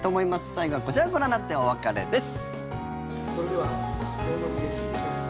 最後はこちらをご覧になってお別れです。